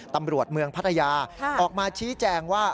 ตำรวจเมืองพัทยาออกมาชี้แจงว่า